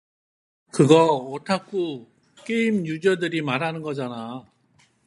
그거 오타쿠 게임 유저들을 말하는 거잖아.